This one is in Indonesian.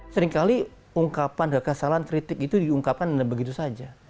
seringkali ungkapan kekesalan kritik itu diungkapkan begitu saja